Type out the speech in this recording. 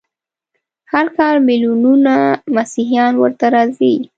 هر کال ملیونونه مسیحیان ورته راځي.